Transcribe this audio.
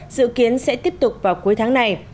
dự kiến sẽ tiếp tục vào cuối tháng này